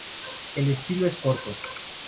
El estilo es corto.